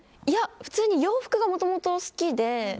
普通に洋服がもともと好きで。